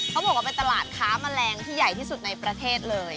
เขาบอกว่าเป็นตลาดค้าแมลงที่ใหญ่ที่สุดในประเทศเลย